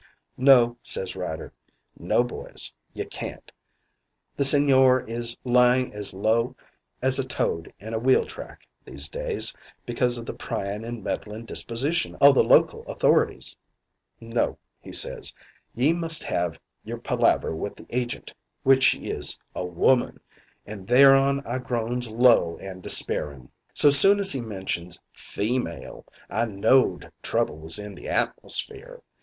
"'No,' says Ryder, 'No, boys. Ye can't. The Sigñor is lying as low as a toad in a wheeltrack these days, because o' the pryin' and meddlin' disposition o' the local authorities. No,' he says, 'ye must have your palaver with the agent which she is a woman,' an' thereon I groans low and despairin'. "So soon as he mentions 'feemale' I knowed trouble was in the atmosphere.